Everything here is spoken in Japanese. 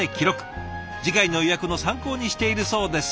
次回の予約の参考にしているそうです。